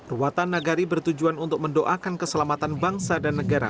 ruatan nagari bertujuan untuk mendoakan keselamatan bangsa dan negara